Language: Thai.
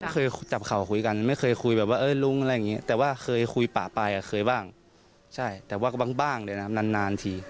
เคยจับเข่าคุยกันไม่เคยคุยแบบว่าเออลุงอะไรอย่างนี้แต่ว่าเคยคุยป่าไปเคยบ้างใช่แต่ว่าก็บ้างเลยนะนานที